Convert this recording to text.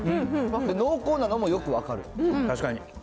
濃厚なのもよく分かる、確かに。